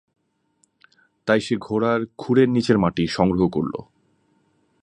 তাই সে ঘোড়ার খুরের নিচের মাটি সংগ্রহ করল।